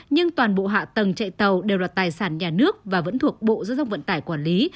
nhưng toàn bộ hạ tầng chạy tàu đều là tài sản nhà nước và vẫn thuộc bộ giao thông vận tải quản lý